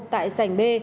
tại sành b